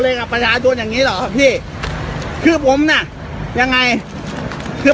กับประชาชนอย่างงี้เหรอพี่คือผมน่ะยังไงคือ